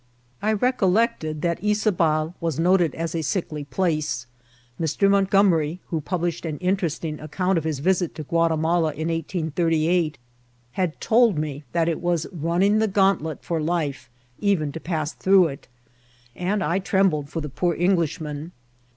I recollected that Yzabal was noted as a sickly place ; Mr. Montgomery, who pub* lished an interesting account of his visit to Guatimala in 1838, had told me that it was running the gauntlet for life even to pass through it, and I trembled for the poor Englishman.